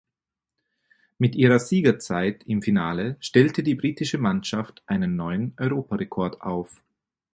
Mit ihrer Siegerzeit im Finale stellte die britische Mannschaft einen neuen Europarekord auf.